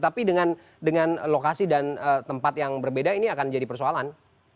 tapi dengan lokasi dan tempat yang berbeda ini akan jadi persoalan